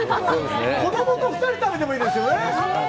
子供と２人旅でもいいですよね。